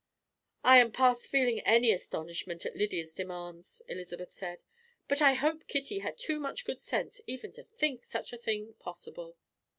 "I am past feeling any astonishment at Lydia's demands," Elizabeth said; "but I hope Kitty had too much good sense even to think such a thing possible."